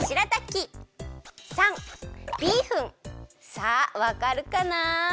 さあわかるかな？